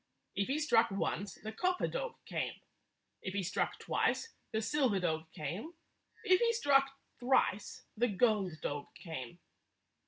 If he struck once, the copper dog came; if he struck twice, the silver dog came ; if he struck thrice, the gold dog came.